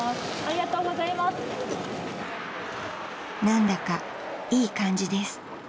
［何だかいい感じです］